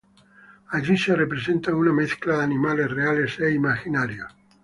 Allí se representan una mezcla de animales reales e imaginarios.